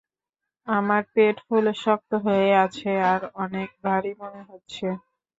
আমার পেট ফুলে শক্ত হয়ে আছে আর অনেক ভাড়ি মনে হচ্ছে।